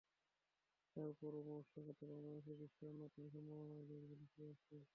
তার পরেও মৎস্য খাতে বাংলাদেশকে বিশ্বের অন্যতম সম্ভাবনাময় দেশ বলছে এফএও।